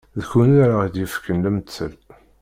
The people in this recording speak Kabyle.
D kunwi ara ɣ-d-yefken lemtel.